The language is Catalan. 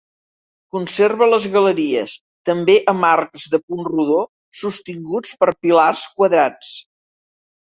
Conserva les galeries, també amb arcs de punt rodó, sostinguts per pilars quadrats.